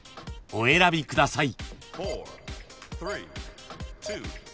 お答えください。